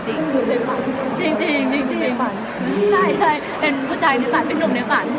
ใช่เป็นผู้ชายในฝันเป็นหนุ่มในฝัน